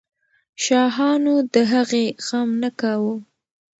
شاهانو د هغې غم نه کاوه.